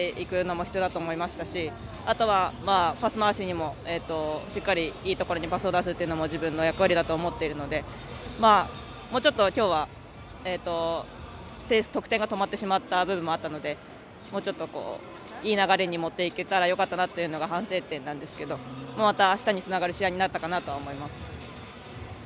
自分も得点に絡んでいくのも必要だと思いましたしあとは、パス回しにもしっかり、いいところにパスを出すというのも自分の役割だと思っているのでちょっと、きょうは得点が止まってしまった部分もあったのでもうちょっと、いい流れに持っていけたらよかったなというのが反省点なんですけどまたあしたにつながる試合になったかなとは思います。